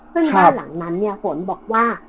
ซึ่งบ้านหลังนั้นเนี่ยฝนบอกว่า